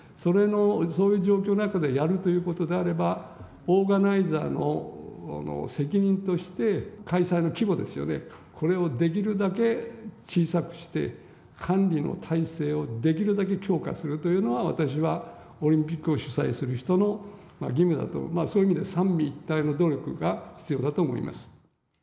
そういう状況の中でやるということであれば、オーガナイザーの責任として、開催の規模ですよね、これをできるだけ小さくして、管理の体制をできるだけ強化するというのが、私は、オリンピックを主催する人の義務だと、そういう意味で三位一体の努力が必要だと思います。